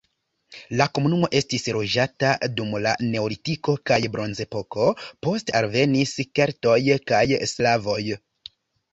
La komunumo estis loĝata dum la neolitiko kaj bronzepoko, poste alvenis keltoj kaj slavoj.